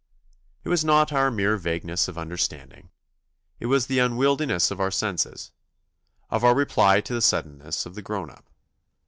It was not our mere vagueness of understanding, it was the unwieldiness of our senses, of our reply to the suddenness of the grown up.